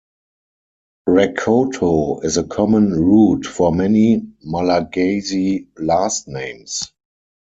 Rakoto is a common root for many Malagasy last names.